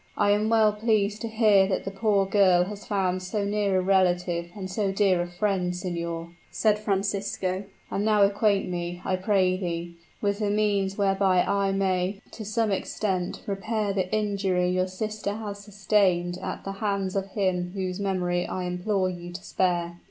"I am well pleased to hear that the poor girl has found so near a relative and so dear a friend, signor," said Francisco. "And now acquaint me, I pray thee, with the means whereby I may, to some extent, repair the injury your sister has sustained at the hands of him whose memory I implore you to spare!"